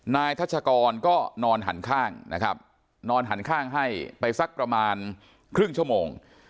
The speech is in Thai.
ทัชกรก็นอนหันข้างนะครับนอนหันข้างให้ไปสักประมาณครึ่งชั่วโมง